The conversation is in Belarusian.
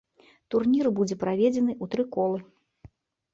Турнір будзе праведзены ў тры колы.